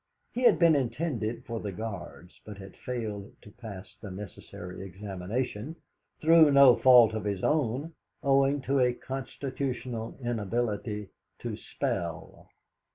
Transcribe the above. He had been intended for the Guards, but had failed to pass the necessary examination, through no fault of his own, owing to a constitutional inability to spell.